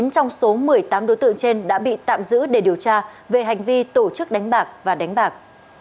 chín trong số một mươi tám đối tượng trên đã bị tạm giữ để điều tra về hành vi tổ chức đánh bạc và đánh bạc